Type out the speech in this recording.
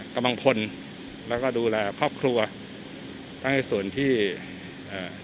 กำลังพลแล้วก็ดูแลครอบครัวทั้งในส่วนที่เอ่อ